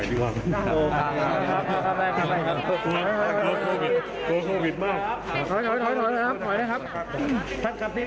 ท่านครับพี่พี่มีที่เดียวครับพี่